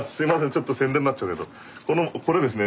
ちょっと宣伝になっちゃうけどこのこれですね。